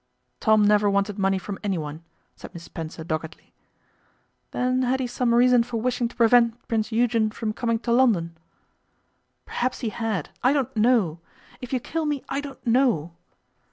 'Tom never wanted money from anyone,' said Miss Spencer doggedly. 'Then had he some reason for wishing to prevent Prince Eugen from coming to London?' 'Perhaps he had. I don't know. If you kill me, I don't know.